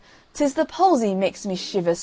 'Tis the palsy makes me shiver so bad."